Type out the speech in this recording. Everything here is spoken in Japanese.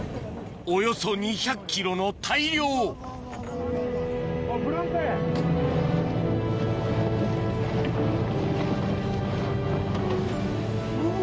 およそ２００ｋｇの大漁うわ。